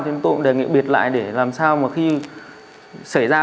thế nên tôi cũng đề nghị biệt lại để làm sao mà khi xảy ra